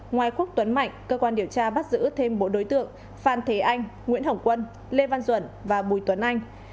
ngoài quốc tuấn mạnh cơ quan điều tra bắt giữ thêm bộ đối tượng phan thế anh nguyễn hồng quân lê văn duẩn và bùi tuấn anh